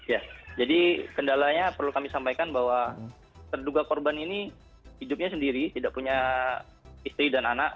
ya jadi kendalanya perlu kami sampaikan bahwa terduga korban ini hidupnya sendiri tidak punya istri dan anak